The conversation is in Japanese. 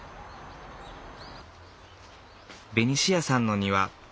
ベニシアさんの庭